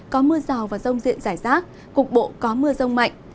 có mưa rào và rông diện giải sát cục bộ có mưa rông mạnh